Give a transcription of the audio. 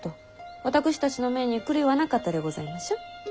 私たちの目に狂いはなかったでございましょう？